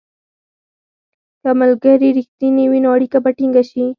که ملګري رښتیني وي، نو اړیکه به ټینګه شي.